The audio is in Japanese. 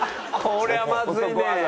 これはまずい。